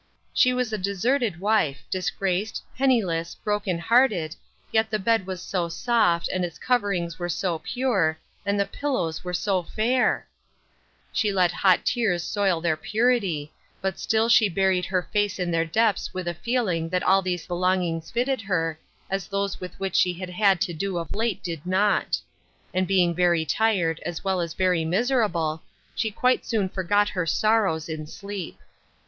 She was a deserted wife, disgraced, penniless, broken hearted, yet the bed was so soft, and its coverings were so pure, and the pillows were so fair ! She let hot tears soil their purity, but still she buried her face in their depths with a feeling that all these belongings fitted her, as those with which she had had to do of late did not. And being very tired, as well as very miserable, she quite soon forgot her sorrows in sleep.